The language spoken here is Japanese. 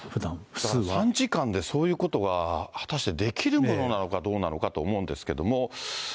３時間で、そういうことが果たしてできるものなのかどうなのかと思うんですけれども。